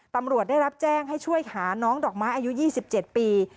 ตำรวจได้รับแจ้งให้ช่วยหาน้องดอกไม้อายุ๒๗ปี